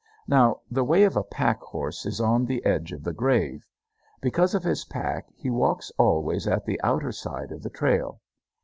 Now, the way of a pack horse is on the edge of the grave. Because of his pack he walks always at the outer side of the trail.